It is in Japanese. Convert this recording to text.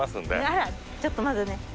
ちょっとまずね。